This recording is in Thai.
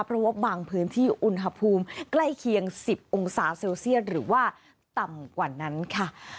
เพราะว่าบางพื้นที่อุณหภูมิใกล้เคียง๑๐องศาเซลเซียสหรือว่าต่ำกว่านั้นค่ะ